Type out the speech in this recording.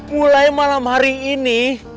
mulai malam hari ini